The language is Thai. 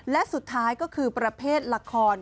และสุดท้ายก็คือประเภทละคร